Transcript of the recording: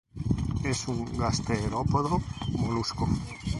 Es un gasterópodo molusco.